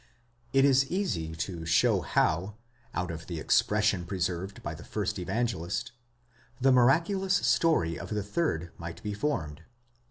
It is easy to show how, out of the expression preserved by the first Evange list, the miraculous story of the third might be formed.